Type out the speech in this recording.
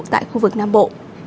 tại khu vực nam bộ